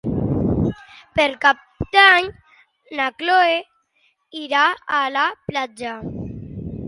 Per Cap d'Any na Chloé irà a la platja.